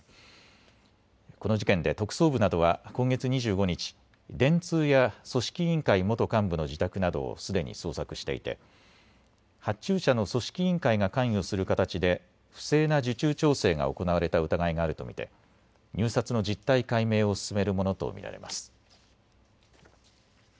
この事件で特捜部などは今月２５日、電通や組織委員会元幹部の自宅などをすでに捜索していて発注者の組織委員会が関与する形で不正な受注調整が行われた疑いがあると見て入札の実態解明を進めるものと見られます。